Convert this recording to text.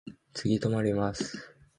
次止まります。